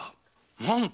なんと！